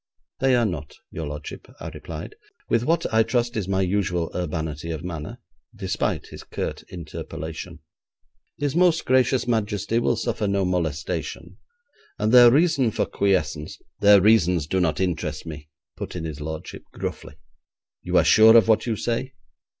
'They are not, your lordship,' I replied, with what, I trust, is my usual urbanity of manner, despite his curt interpolation. 'His most gracious Majesty will suffer no molestation, and their reason for quiescence ' 'Their reasons do not interest me,' put in his lordship gruffly. 'You are sure of what you say?'